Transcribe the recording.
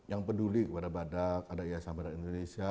yang peduli kepada badak ada yayasan badak indonesia